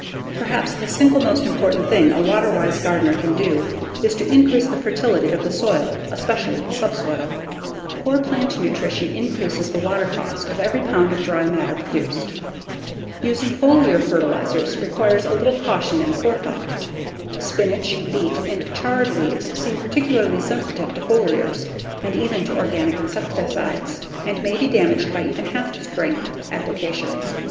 Perhaps the single most important thing a water wise gardener can do is to increase the fertility of the soil, especially the subsoil. Poor plant nutrition increases the water cost of every pound of dry matter produced. Using foliar fertilizers requires a little caution and forethought. Spinach, beet, and chard leaves seem particularly sensitive to foliars (and even to organic insecticides) and may be damaged by even half strength applications.